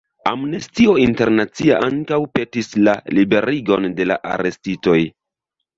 Amnestio Internacia ankaŭ petis la liberigon de la arestitoj.